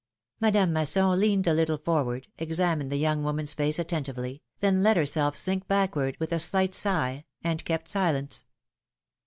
Madame Masson leaned a little forward, examined the young woman's face attentively, then let herself sink backward, with a slight sigh, and kept silence.